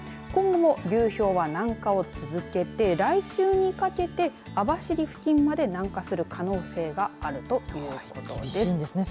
今後も流氷は南下を続けて来週にかけて、網走付近まで南下する可能性があるということです。